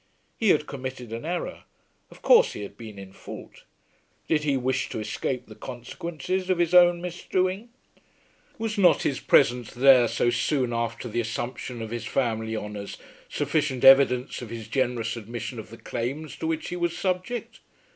He had committed an error. Of course he had been in fault. Did he wish to escape the consequences of his own misdoing? Was not his presence there so soon after the assumption of his family honours sufficient evidence of his generous admission of the claims to which he was subject?